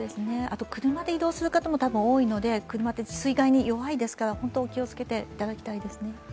車で移動する方も多分多いので、車は水害に弱いですから本当、お気をつけていただきたいですね。